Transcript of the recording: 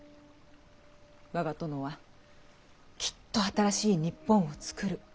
「我が殿はきっと新しい日本を作る。